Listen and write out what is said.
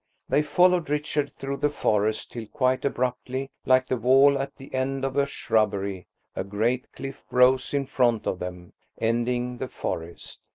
They followed Richard through the forest till quite abruptly, like the wall at the end of a shrubbery, a great cliff rose in front of them, ending the forest.